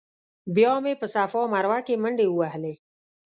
بیا مې په صفا مروه کې منډې ووهلې.